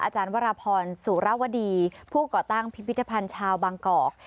อาจารย์วรพรสุรวดีผู้ก่อตั้งพิพิธภัณฑ์ชาวบางกอก